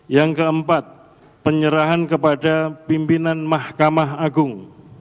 yang keempat penyerahan kepada pimpinan mahkamah agung